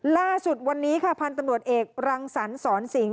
ล่าสุดวันนี้ค่ะพันธุ์ตำรวจเอกรังสรรสอนสิง